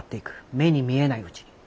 目に見えないうちに。